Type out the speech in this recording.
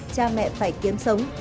cha mẹ phải kiếm sống